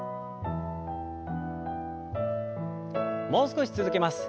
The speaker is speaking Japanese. もう少し続けます。